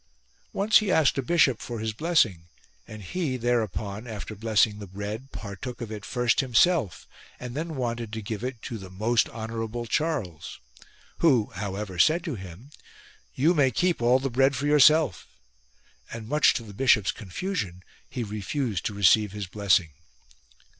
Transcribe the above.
76 HIS CAREFUL APPOINTMENTS 1 2. Once he asked a bishop for his blessing and he thereupon, after blessing the bread, partook of it first himself and then wanted to give it to the most honourable Charles : who, however, said to him :" You may keep all the bread for yourself" ; and much to the bishop's confusion he refused to receive his blessing.